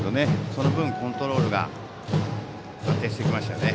その分、コントロールが安定してきましたね。